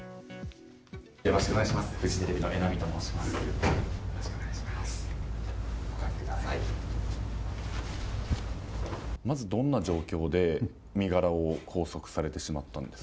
よろしくお願いします。